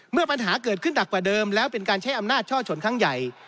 เมื่อปัญหาเกิดขึ้นหนักกว่าเดิมแล้วเป็นการใช้อำนาจช่อชนครั้งใหญ่